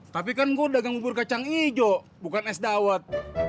tapi kan gue dagang bubur kacang hijau bukan es dawet